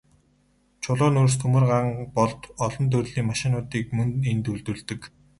Чулуун нүүрс, төмөр, ган болд, олон төрлийн машинуудыг мөн энд үйлдвэрлэдэг.